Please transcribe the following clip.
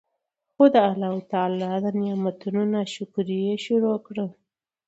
خو د الله تعالی د نعمتونو نا شکري ئي شروع کړه